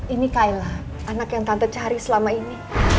ini kaila anak yang tante cari selama ini